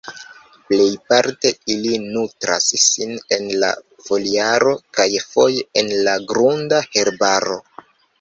Plejparte ili nutras sin en la foliaro kaj foje en la grunda herbaro.